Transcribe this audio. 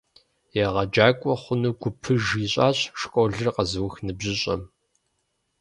ЕгъэджакӀуэ хъуну гупыж ищӀащ школыр къэзыух ныбжьыщӀэм.